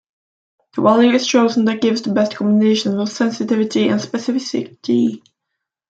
The value is chosen that gives the best combination of sensitivity and specificity.